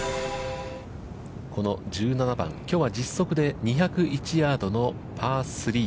この１７番、きょうは実測で２０１ヤードのパー３。